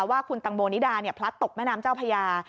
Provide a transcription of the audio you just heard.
ว่าคุณตังโมนิดาพลัดตกแม่น้ำเจ้าพญา